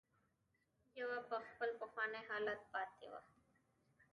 يوه په خپل پخواني حالت پاتې وه.